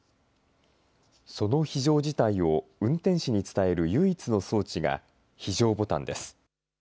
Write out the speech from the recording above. その非常事態を運転士に伝える唯一の装置が非常ボタンです。